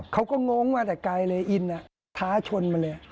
เขาก็ง้องว่าแต่กายเลยอินท้าชนมันเลย